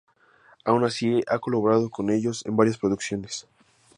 Aun así ha colaborado con ellos en varias producciones.